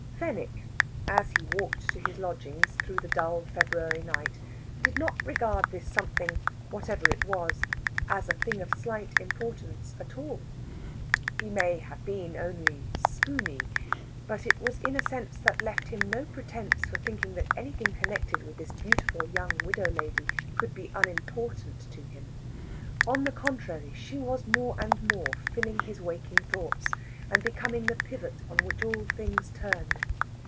Fenwick, as he walked to his lodgings through the dull February night, did not regard this something, whatever it was, as a thing of slight importance at all. He may have been only "spooney," but it was in a sense that left him no pretence for thinking that anything connected with this beautiful young widow lady could be unimportant to him. On the contrary, she was more and more filling all his waking thoughts, and becoming the pivot on which all things turned.